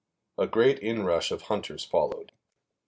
A great inrush of hunters followed.